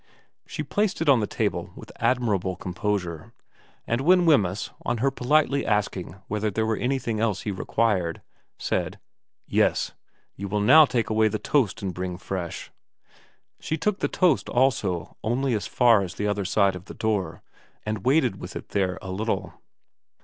She placed it on the table with admirable composure; and when Wemyss, on her politely asking whether there were anything else he required, said, * Yes. You will now take away that toast and bring fresh,' she took the toast also only as far as the other side of the door, and waited with it there a little.